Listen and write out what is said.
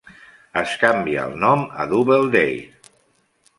Es canvia el nom a Doubledare.